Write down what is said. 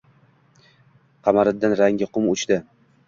Qamariddinning rangi qum o‘chdi